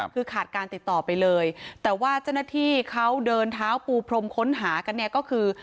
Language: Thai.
คือขาดการติดต่อไปเลยแต่ว่าเจ้าหน้าที่เขาเดินเท้าปูพรมค้นหากันเนี่ยก็คือ